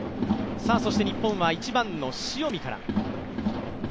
日本は１番の塩見から。